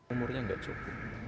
umurnya nggak cukup